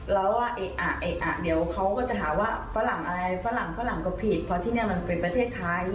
แล้วเดี๋ยวเขาก็จะถามว่าฝรั่งอะไรฝรั่งฝรั่งก็ผิดเพราะที่นี่มันเป็นประเทศไทย